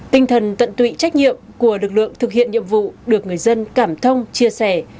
tinh thần tận tụy trách nhiệm của lực lượng thực hiện nhiệm vụ được người dân cảm thông chia sẻ